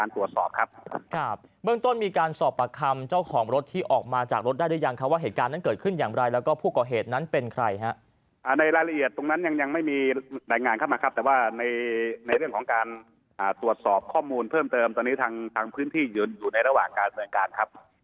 ตอนนี้ทางพื้นที่หยุดอยู่ในระหว่างการสั่งการครับ